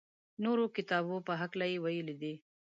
نورو کتابو په هکله یې ویلي دي.